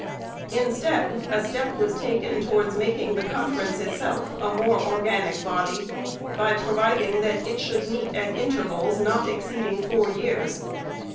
Instead, a step was taken towards making the Conference itself a more organic body by providing that it should meet at intervals not exceeding four years.